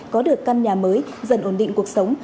có được căn nhà mới dần ổn định cuộc sống